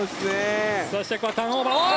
そしてターンオーバー。